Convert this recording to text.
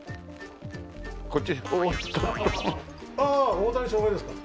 大谷翔平ですか？